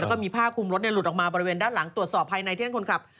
แล้วก็มีผ้าคุมรถหลุดออกมาบริเวณด้านหลังตรวจสอบภายในเที่ยงคนขับ